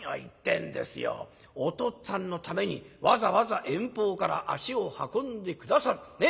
お父っつぁんのためにわざわざ遠方から足を運んで下さる。